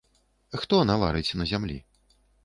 Хто наварыць на зямлі?